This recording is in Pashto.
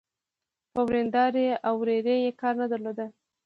په وريندارې او ورېرې يې کار نه درلود.